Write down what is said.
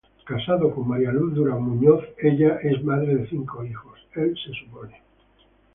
Casado con María Luz Durán Muñoz, es padre de cinco hijos.